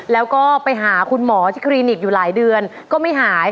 แล้วก็ไปหาคุณหมอที่คลินิกอยู่หลายเดือนก็ไม่หาย